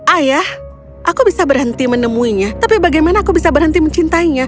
ayah aku bisa berhenti menemuinya tapi bagaimana aku bisa berhenti mencintainya